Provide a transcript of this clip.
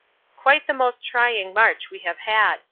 Quite the most trying march we have had.